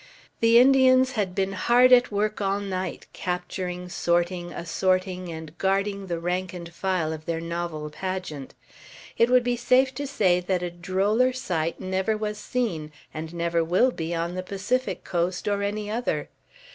The Indians had been hard at work all night capturing, sorting, assorting, and guarding the rank and file of their novel pageant. It would be safe to say that a droller sight never was seen, and never will be, on the Pacific coast or any other.